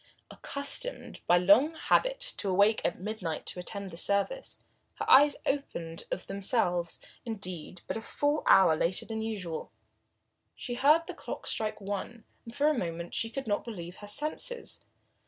Accustomed by long habit to awake at midnight to attend the service, her eyes opened of themselves, indeed, but a full hour later than usual. She heard the clock strike one, and for a moment could not believe her senses.